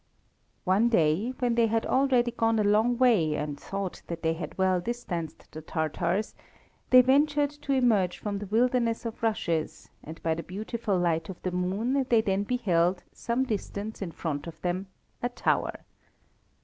One day, when they had already gone a long way and thought that they had well distanced the Tatars, they ventured to emerge from the wilderness of rushes, and by the beautiful light of the moon they then beheld, some distance in front of them, a tower.